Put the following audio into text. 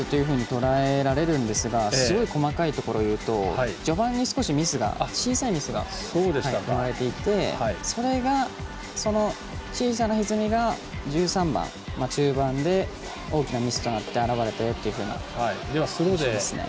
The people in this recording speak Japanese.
中盤のミスというふうにとらえられるんですがすごい細かいところを言うと序盤に少し小さいミスがあってそれが、その小さなひずみが１３番中盤で大きなミスとなって現れたよという認識ですね。